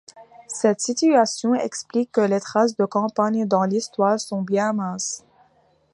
Cette situation explique que les traces de Campagne dans l'histoire sont bien minces.